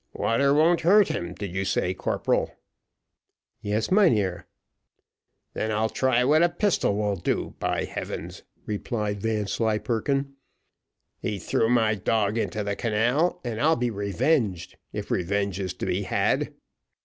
"Water won't hurt him, did you say, corporal?" "Yes, mynheer." "Then I'll try what a pistol will do, by heavens!" replied Vanslyperken. "He threw my dog into the canal, and I'll be revenged, if revenge is to be had.